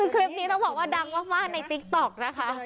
คลิปนี้ต้องบอกว่าดังมากในติ๊กต๊อกนะคะ